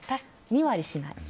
２割しない。